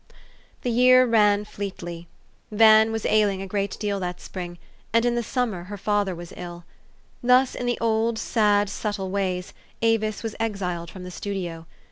The year ran fleetly. Van was ailing a great deal that spring ; and in the summer her father was ill. Thus, in the old, sad, subtle ways, Avis was exiled from the studio.